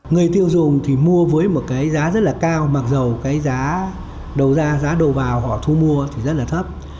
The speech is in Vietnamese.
người tiêu dùng thì mua với một cái giá rất là cao mặc dù cái giá đầu ra giá đầu vào họ thu mua thì rất là thấp